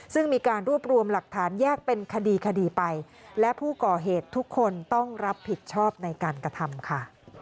ซึ่งมีการรวบรวมหลักฐานแยกเป็นคดีคดีไปและผู้ก่อเหตุทุกคนต้องรับผิดชอบในการกระทำค่ะ